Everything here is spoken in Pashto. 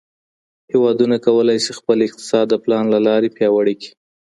هیوادونه کولای سي خپل اقتصاد د پلان له لاري پیاوړی کړي.